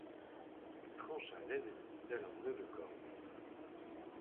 Il trancha l'ennemi tel un nœud de corde.